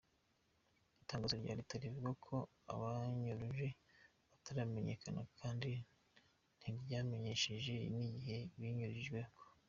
Itangazo rya leta rivuga ko ababanyuruje bataramenyekana kandi ntiryamenyesheje n'igihe banyururijweko.